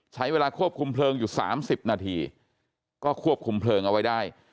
ใช้เวลาควบคุมเพลิงอยู่๓๐นาทีก็ควบคุมเพลิงเอาไว้ได้